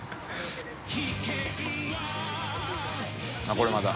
これまた。